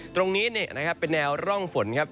ตรงนี้เนี่ยนะครับเป็นแนวร่องฝนครับ